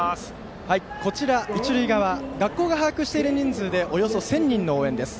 こちら、一塁側学校が把握している人数でおよそ１０００人の応援です。